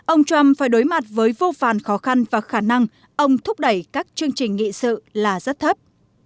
ông trump phải đối mặt với vô vàn khó khăn và khả năng ông thúc đẩy các chương trình nghị sự là rất thấp